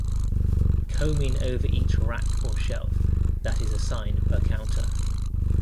Combing over each rack or shelf, that is assigned per counter.